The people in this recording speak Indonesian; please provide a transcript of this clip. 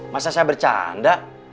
masa saya bercanda